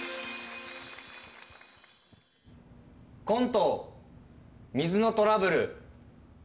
コント、水のトラブル。